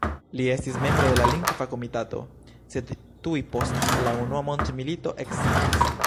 Li estis membro de la Lingva Komitato, sed tuj post la unua mondmilito eksiĝis.